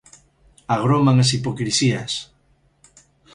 Agroman as hipocrisías.